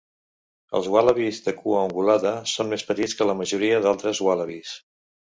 Els ualabis de cua ungulada són més petits que la majoria d'altres ualabis.